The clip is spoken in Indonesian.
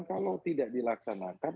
kalau tidak dilaksanakan